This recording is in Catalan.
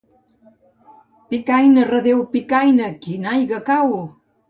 Picaina, redéu Picaina, quina aigua cau!